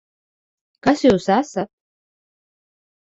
Kas Jūs esat?